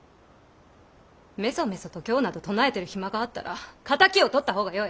めそめそと経など唱えている暇があったら仇をとった方がよい。